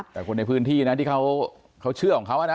แต่คนในพื้นที่นะที่เขาเชื่อของเขานะ